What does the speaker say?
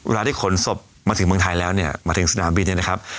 ได้ขนศพมาถึงเมืองไทยแล้วเนี่ยมาถึงสนามบินเนี่ยนะครับ